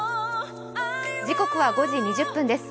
時刻は５時２０分です。